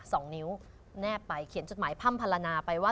สองนิ้วแนบไปเขียนจดหมายพร่ำพลนาไปว่า